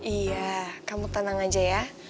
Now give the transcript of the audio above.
iya kamu tenang aja ya